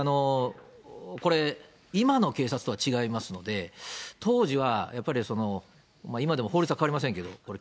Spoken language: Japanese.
これ、今の警察とは違いますので、当時は、やっぱり今でも法律は変わりませんけれども、これ、